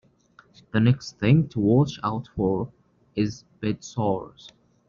The next thing to watch out for is bed sores.